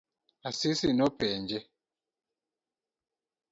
Asisi nopenje?